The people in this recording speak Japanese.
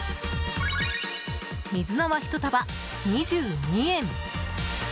水菜は１束２２円。